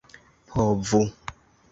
povu